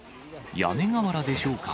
屋根瓦でしょうか。